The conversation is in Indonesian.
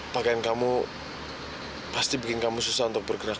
pakaian kamu pasti bikin kamu susah untuk bergerak